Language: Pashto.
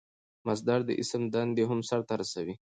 مصدر د اسم دندې هم سر ته رسوي.